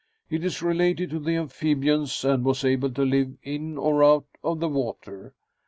It is related to the amphibians and was able to live in or out of the water.